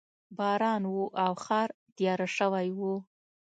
باران و او ښار تیاره شوی و